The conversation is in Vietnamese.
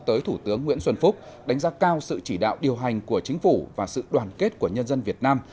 tới thủ tướng nguyễn xuân phúc đánh giá cao sự chỉ đạo điều hành của chính phủ và sự đoàn kết của nhân dân việt nam